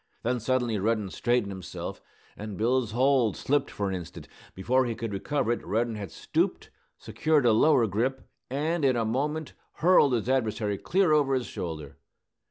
Then suddenly Reddin straightened himself, and Bill's hold slipped for an instant. Before he could recover it Reddin had stooped, secured a lower grip, and in a moment hurled his adversary clear over his shoulder.